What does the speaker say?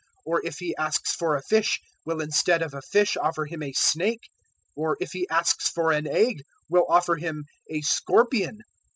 or if he asks for a fish, will instead of a fish offer him a snake? 011:012 or if he asks for an egg, will offer him a scorpion?